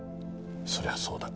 そりゃそうだ。